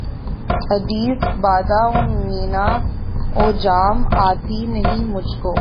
حدیث بادہ و مینا و جام آتی نہیں مجھ کو